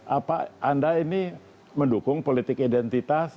apa anda ini mendukung politik identitas